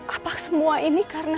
apa semua ini karena